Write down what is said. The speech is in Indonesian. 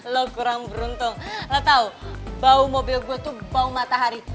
lo kurang beruntung lo tau bau mobil gue tuh bau matahari